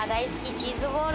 チーズボール。